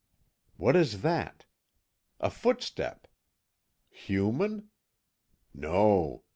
What is that? A footstep! Human? No.